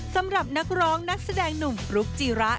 สำหรับนักร้องนักแสดงหนุ่มฟลุ๊กจีระ